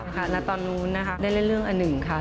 แล้วตอนนู้นได้เล่นเรื่องอันหนึ่งค่ะ